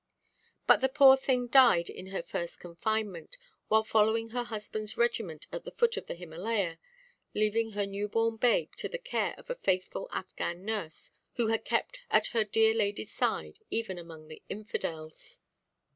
But the poor thing died in her first confinement, while following her husbandʼs regiment at the foot of the Himalayah, leaving her new–born babe to the care of a faithful Affghan nurse, who had kept at her dear ladyʼs side, even among the infidels.